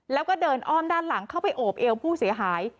แล้วก็เดินอ้อมด้านหลังเข้าไปโอบเอวผู้เสียหาย